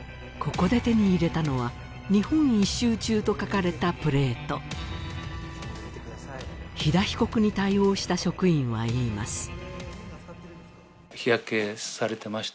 ここで手に入れたのは日本一周中と書かれたプレート樋田被告に対応した職員は言います